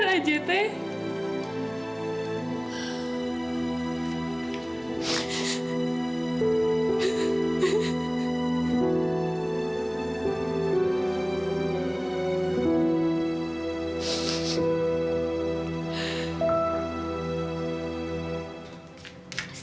sampai jumpa lagi yes